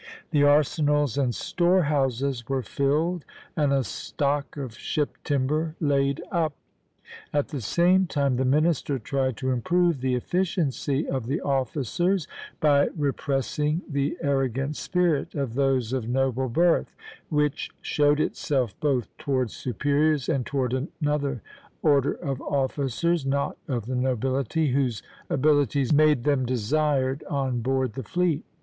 The arsenals and storehouses were filled, and a stock of ship timber laid up. At the same time the minister tried to improve the efficiency of the officers by repressing the arrogant spirit of those of noble birth, which showed itself both toward superiors and toward another order of officers, not of the nobility, whose abilities made them desired on board the fleet.